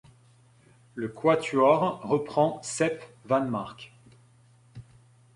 Le quatuor reprend Sep Vanmarcke.